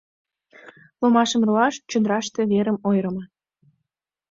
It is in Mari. Ломашым руаш чодраште верым ойырымо.